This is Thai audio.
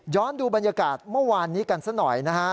ย้อนดูบรรยากาศเมื่อวานนี้กันซะหน่อย